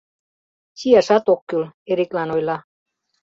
— Чияшат ок кӱл, — Эриклан ойла.